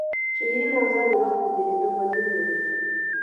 شعري موضوعات د وخت په تېرېدو بدلون مومي.